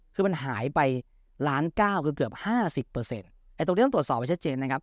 คือมันหายไปล้านเก้าคือเกือบห้าสิบเปอร์เซ็นต์ไอ้ตรงนี้ต้องตรวจสอบให้ชัดเจนนะครับ